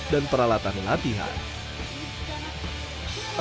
dan peralatan latihan